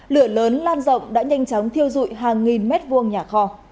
lửa lớn lan rộng đã nhanh chóng thiêu dụi hàng nghìn mét vuông nhà kho